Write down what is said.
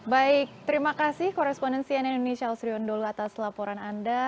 baik terima kasih korespondensi ann indonesia osiru andul atas laporan anda